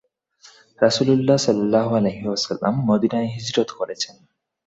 রাসূলুল্লাহ সাল্লাল্লাহু আলাইহি ওয়াসাল্লাম মদীনায় হিজরত করেছেন।